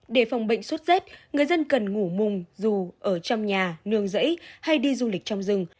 để phòng bệnh sốt rét người dân cần ngủ mùng dù ở trong nhà nương giấy hay đi du lịch trong rừng